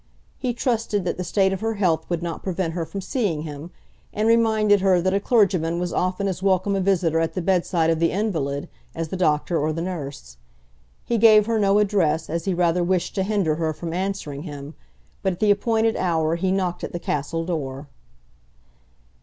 He trusted that the state of her health would not prevent her from seeing him, and reminded her that a clergyman was often as welcome a visitor at the bedside of the invalid, as the doctor or the nurse. He gave her no address, as he rather wished to hinder her from answering him, but at the appointed hour he knocked at the castle door.